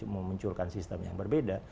memunculkan sistem yang berbeda